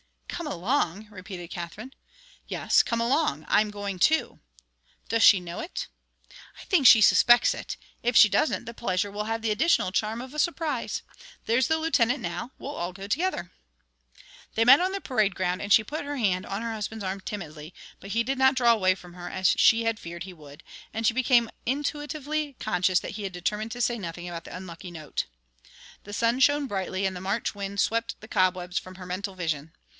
"Come along!" repeated Katherine. "Yes, come along. I'm going, too." "Does she know it?" "I think she suspects it. If she doesn't, the pleasure will have the additional charm of a surprise. There's the Lieutenant now. We'll all go together." They met on the parade ground and she put her hand on her husband's arm timidly, but he did not draw away from her as she had feared he would, and she became intuitively conscious that he had determined to say nothing about the unlucky note. The sun shone brightly and the March wind swept the cobwebs from her mental vision.